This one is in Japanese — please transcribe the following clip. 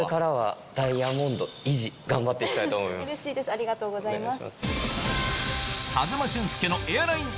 ありがとうございます。